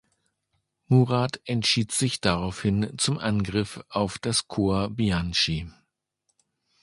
Murat entschied sich daraufhin zum Angriff auf das Korps Bianchi.